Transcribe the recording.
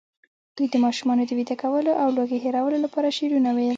دوی د ماشومانو د ویده کولو او لوږې هېرولو لپاره شعرونه ویل.